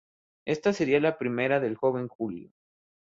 Esta sería la primera del joven Julio.